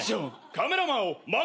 カメラマンをまけ！